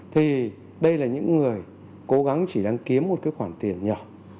thì đây là những người cố gắng chỉ đang kiếm một cái khoản tiền nhỏ